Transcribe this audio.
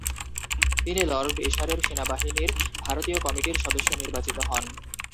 তিনি লর্ড এশারের সেনাবাহিনীর ভারতীয় কমিটির সদস্য নির্বাচিত হন।